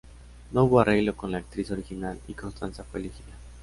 No hubo arreglo con la actriz original, y Constanza fue elegida.